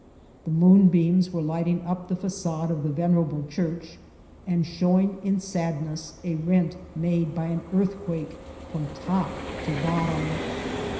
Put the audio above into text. The moonbeams were lighting up the facade of the venerable church, and showing in sadness a rent made by an earthquake from top to bottom.